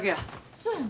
そうやの？